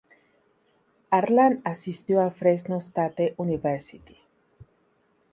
Harlan asistió a Fresno State University.